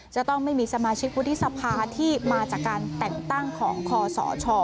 จะต้องไม่มีสมาชิกวุฒิสภาที่มาจากการแต่งตั้งของคอสช